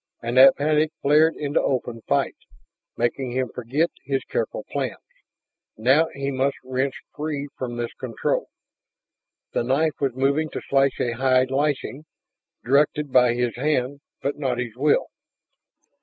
And that panic flared into open fight, making him forget his careful plans. Now he must wrench free from this control. The knife was moving to slash a hide lashing, directed by his hand, but not his will.